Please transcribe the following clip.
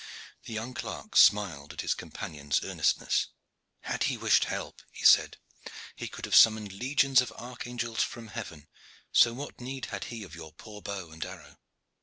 The young clerk smiled at his companion's earnestness. "Had He wished help," he said, "He could have summoned legions of archangels from heaven, so what need had He of your poor bow and arrow?